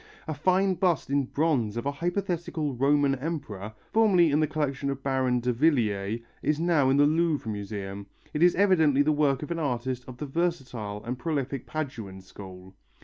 A fine bust in bronze of a hypothetical Roman emperor, formerly in the collection of Baron Davillier, is now in the Louvre Museum. It is evidently the work of an artist of the versatile and prolific Paduan school.